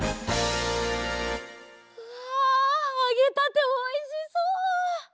わあげたておいしそう！